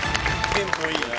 テンポいいね。